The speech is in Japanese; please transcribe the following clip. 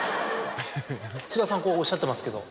菅田さんこうおっしゃってますけど。